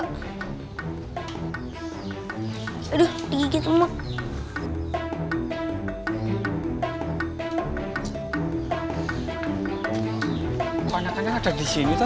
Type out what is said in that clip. aduh digigit emak